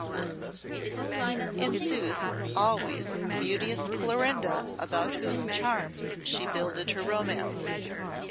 It was, in sooth, always the beauteous Clorinda about whose charms she builded her romances.